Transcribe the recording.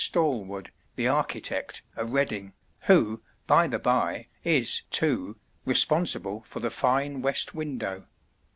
Stallwood, the architect, of Reading, who, by the bye, is, too, responsible for the fine west window.